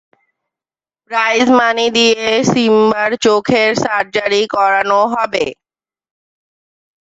Prize money দিয়ে সিম্বার চোখের surgery করানো হবে।